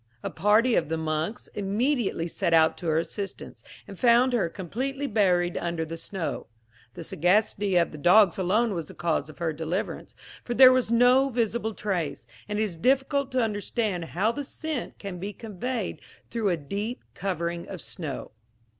A party of the monks immediately set out to her assistance, and found her completely buried under the snow. The sagacity of the dogs alone was the cause of her deliverance, for there was no visible trace, and it is difficult to understand how the scent can be conveyed through a deep covering of snow.